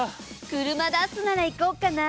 車出すなら行こうかな。